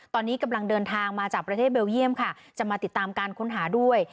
ตอนนี้กำลังเดินทางมาจากประเทศเบลเยี่ยมค่ะจะมาติดตามการค้นหาด้วย